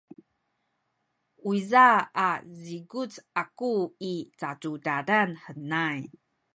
uyza a zikuc aku i cacudadan henay.